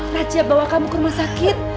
najia bawa kamu ke rumah sakit